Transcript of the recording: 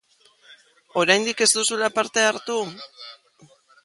Oraindik ez duzula parte hartu?